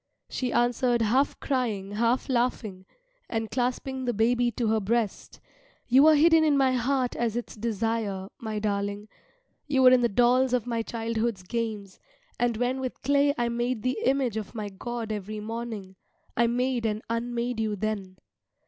She answered half crying, half laughing, and clasping the baby to her breast, "You were hidden in my heart as its desire, my darling. You were in the dolls of my childhood's games; and when with clay I made the image of my god every morning, I made and unmade you then.